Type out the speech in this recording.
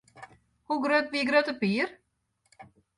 Hoe grut wie Grutte Pier?